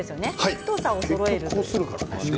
太さをそろえる。